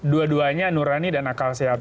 dua duanya nurani dan akal sehat